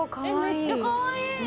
めっちゃかわいい！